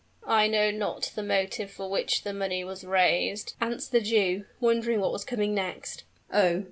"I know not the motive for which the money was raised," answered the Jew, wondering what was coming next. "Oh!